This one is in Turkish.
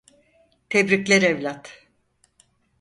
Tebrikler evlat.